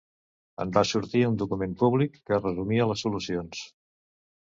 En va sortir un document públic que resumia les solucions.